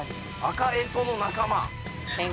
アカエソの仲間？